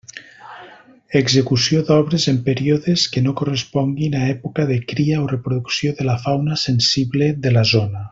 Execució d'obres en períodes que no corresponguin a època de cria o reproducció de la fauna sensible de la zona.